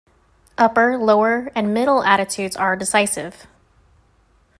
Upper, Lower and Middle attitudes are decisive.